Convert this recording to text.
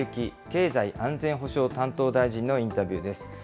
経済安全保障担当大臣のインタビューです。